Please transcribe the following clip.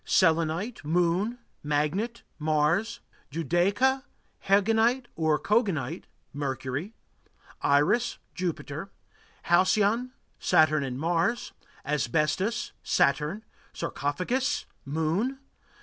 Selenite Moon. Magnet Mars. Judaica, } Hegolite or } Mercury. Cogolite } Iris Jupiter. Halcyon Saturn and Mars. Asbestus Saturn. Sarcophagus Moon.